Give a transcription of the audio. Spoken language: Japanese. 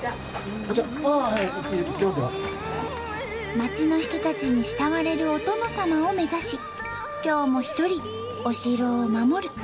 町の人たちに慕われるお殿様を目指し今日も一人お城を守る。